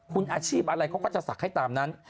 คุณอาชีพอะไรเขาก็จะศักดิ์ให้ตามนั้น